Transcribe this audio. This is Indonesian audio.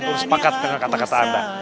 terus sepakat dengan kata kata anda